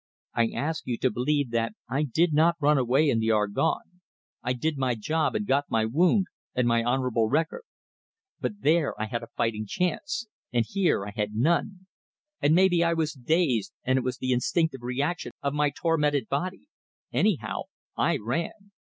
I ask you to believe that I did not run away in the Argonne. I did my job, and got my wound, and my honorable record. But there I had a fighting chance, and here I had none; and maybe I was dazed, and it was the instinctive reaction of my tormented body anyhow, I ran.